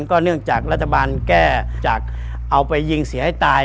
ก็เนื่องจากรัฐบาลแก้จากเอาไปยิงเสียให้ตาย